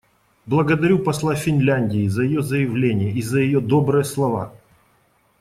Благодарю посла Финляндии за ее заявление и за ее добрые слова.